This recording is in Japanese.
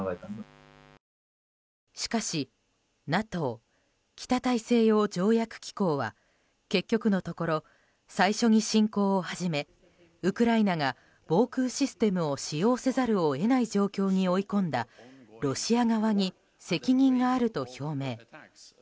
しかしＮＡＴＯ・北大西洋条約機構は結局のところ最初に侵攻を始めウクライナが防空システムを使用せざるを得ない状況に追い込んだロシア側に責任があると表明。